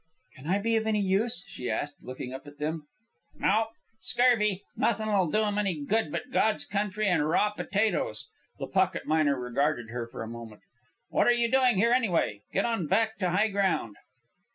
"Can I be of any use?" she asked, looking up at them. "Nope. Scurvy. Nothing'll do 'em any good but God's country and raw potatoes." The pocket miner regarded her for a moment. "What are you doing here, anyway? Go on back to high ground."